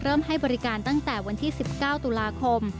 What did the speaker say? ให้บริการตั้งแต่วันที่๑๙ตุลาคม